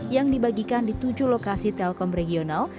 yang dibagikan di tujuh lokasi telkom regional